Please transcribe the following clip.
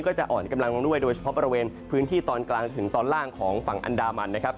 ก็จะอ่อนกำลังลงด้วยโดยเฉพาะบริเวณพื้นที่ตอนกลางจนถึงตอนล่างของฝั่งอันดามันนะครับ